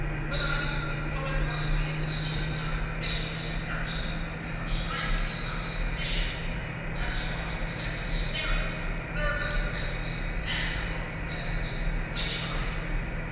"With us woman must be at the same time mistress and nurse, and her strength is not sufficient. That is why we have hysteria, nervous attacks, and, among the peasants, witchcraft.